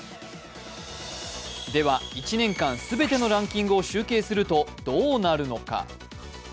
では、１年間全てのランキングを集計するとどうなるのか。